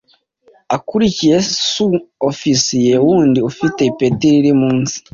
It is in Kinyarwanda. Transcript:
akuriye Su ofisiye wundi ufite ipeti riri munsi